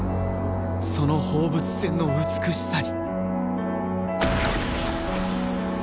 その放物線の美しさに